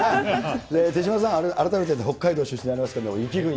手嶋さん、改めて北海道出身であります